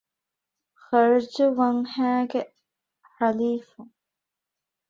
ޚަރްޖުވަންހައިގެ ޙަލީފުން